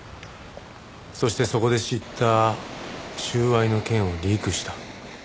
そしてそこで知った収賄の件をリークした。